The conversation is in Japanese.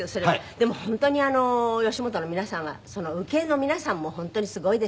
でも本当に吉本の皆さんはその受けの皆さんも本当にすごいですね。